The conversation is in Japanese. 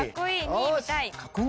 ２見たい。